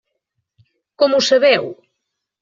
Com ho sabeu?